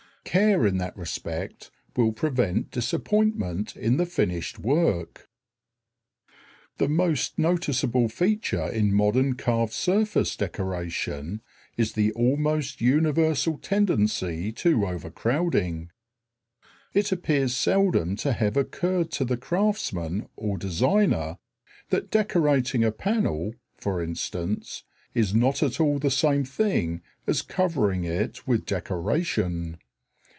Care in that respect will prevent disappointment in the finished work. The most noticeable feature in modern carved surface decoration is the almost universal tendency to overcrowding. It appears seldom to have occurred to the craftsman or designer that decorating a panel, for instance, is not at all the same thing as covering it with decoration.